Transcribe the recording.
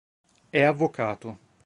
È avvocato.